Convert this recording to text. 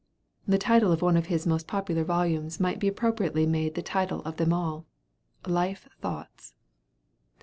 The title of one of his most popular volumes might be appropriately made the title of them all 'Life Thoughts.'